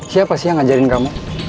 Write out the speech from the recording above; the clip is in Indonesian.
siapa sih yang ngajarin kamu